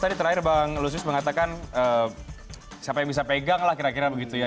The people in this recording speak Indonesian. tadi terakhir bang lusius mengatakan siapa yang bisa pegang lah kira kira begitu ya